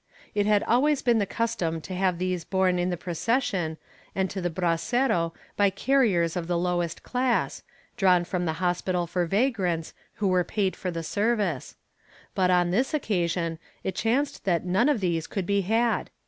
It had always been the custom to have these borne in the procession and to the brasero by carriers of the lowest class, drawn from the hospital for vagrants, who were paid for the service but, on this occasion, it chanced that none of these could be had.